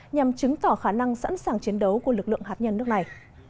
nhằm chứng tỏ khả năng sẵn sàng chiến đấu của lực lượng hạt nhân nước này